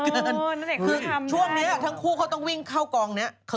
ณเดชน์คือทำได้หรือเปล่าคือช่วงนี้ทั้งคู่เขาต้องวิ่งเข้ากองนี้